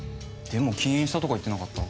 でも禁煙したとか言ってなかった？